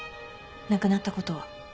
亡くなったことは？